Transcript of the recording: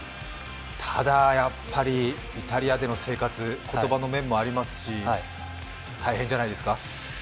ただ、やっぱりイタリアでの生活、言葉の面もありますし大変じゃないですか？